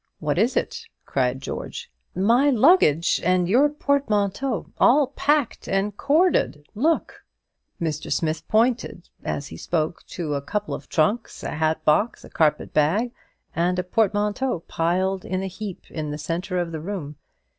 "What is it?" cried George. "My luggage and your portmanteau, all packed and corded; look!" Mr. Smith pointed as he spoke to a couple of trunks, a hatbox, a carpet bag, and a portmanteau, piled in a heap in the centre of the room.